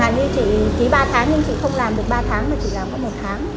chẳng hạn như chị ký ba tháng nhưng chị không làm được ba tháng mà chị làm có một tháng